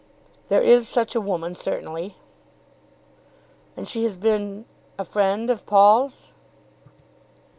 "There is such a woman certainly." "And she has been, a friend of Paul's?"